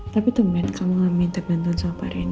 tapi kamu tidak minta bantuan sama pak reni